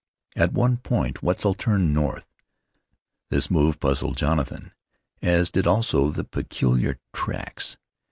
At one point Wetzel turned north. This move puzzled Jonathan, as did also the peculiar tracks.